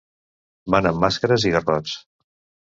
Van amb màscares i garrots.